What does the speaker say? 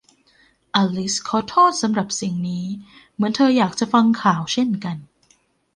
อลิซขอโทษสำหรับสิ่งนี้ เหมือนเธออยากจะฟังข่าวเช่นกัน